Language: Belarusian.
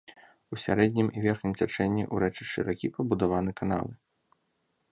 У сярэднім і верхнім цячэнні ў рэчышчы ракі пабудаваны каналы.